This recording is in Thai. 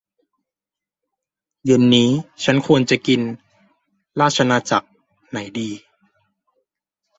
เย็นนี้ฉันควรกินราชอาณาจักรไหนดี